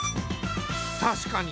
確かに。